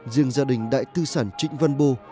những gia đình đại tư sản trịnh văn bô